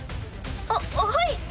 あっはい。